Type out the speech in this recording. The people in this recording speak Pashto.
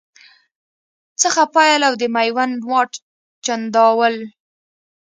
څخه پیل او د میوند واټ، چنداول